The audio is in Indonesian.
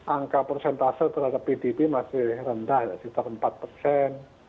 angka prosentase terhadap pdb masih rendah sekitar empat persen